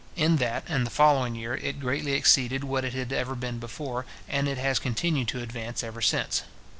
In that and the following year, it greatly exceeded what it had ever been before, and it has continued to advance ever since.